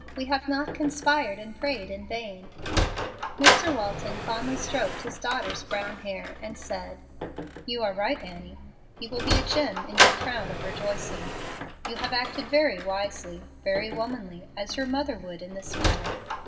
We have not conspired and prayed in vain." Mr. Walton fondly stroked his daughter's brown hair, and said, "You are right, Annie; he will be a gem in your crown of rejoicing. You have acted very wisely, very womanly, as your mother would, in this matter.